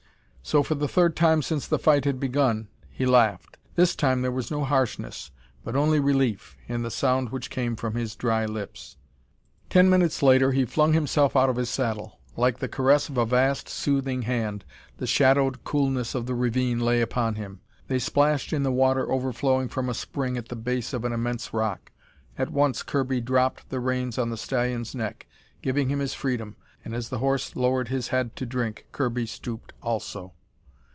So for the third time since the fight had begun, he laughed. This time there was no harshness, but only relief, in the sound which came from his dry lips. Ten minutes later, he flung himself out of his saddle. Like the caress of a vast, soothing hand, the shadowed coolness of the ravine lay upon him. As his feet struck ground, they splashed in the water overflowing from a spring at the base of an immense rock. At once Kirby dropped the reins on the stallion's neck, giving him his freedom, and as the horse lowered his head to drink, Kirby stooped also.